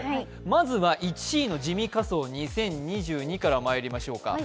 まずは１位の地味仮装２０２２からまいりましょうか。